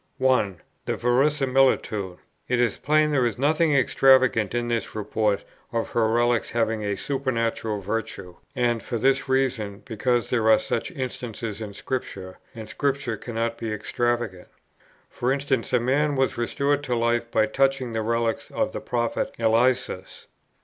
1. The verisimilitude. It is plain there is nothing extravagant in this report of her relics having a supernatural virtue; and for this reason, because there are such instances in Scripture, and Scripture cannot be extravagant. For instance, a man was restored to life by touching the relics of the Prophet Eliseus.